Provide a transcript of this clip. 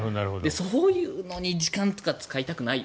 そういうのに時間とか使いたくない。